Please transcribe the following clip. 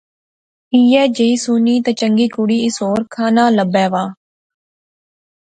ایہہ جئی سوہنی تے چنگی کڑی اس ہور کھاناں لبے وا